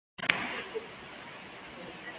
Oncidium Fasc.